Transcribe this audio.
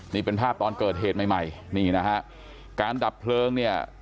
นี่เป็นภาพตอนเกิดเหตุใหม่ใหม่นี่นะฮะการดับเพลิงเนี่ย